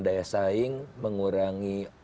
daya saing mengurangi